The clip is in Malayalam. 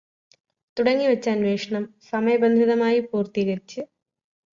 തുടങ്ങിവച്ച അന്വേഷണം സമയബന്ധിതമായി പൂര്ത്തീകരിച്ച്